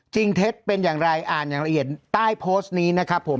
เท็จเป็นอย่างไรอ่านอย่างละเอียดใต้โพสต์นี้นะครับผม